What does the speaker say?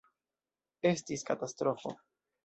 Estis katastrofo.